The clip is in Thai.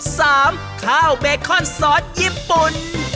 สามข้าวเบคอนซอสญิมปุ่น